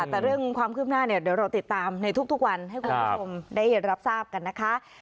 แต่เรื่องความขึ้นหน้าเราติดตามทุกวันให้คุณผู้ชมรับทราบกันนะคะ